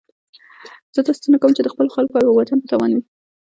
زه داسې څه نه کوم چې د خپلو خلکو او وطن په تاوان وي.